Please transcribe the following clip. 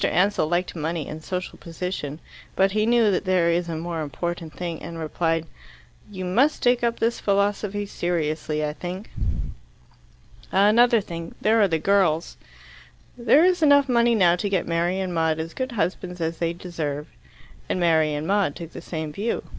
Ansell liked money and social position. But he knew that there is a more important thing, and replied, "You must take up this philosophy seriously, I think." "Another thing there are the girls." "There is enough money now to get Mary and Maud as good husbands as they deserve." And Mary and Maud took the same view.